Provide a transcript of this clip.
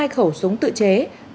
hai khẩu súng tự chế